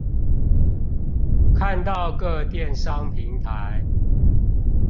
看到各電商平台